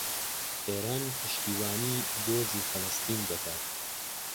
ئێران پشتیوانیی دۆزی فەڵەستین دەکات.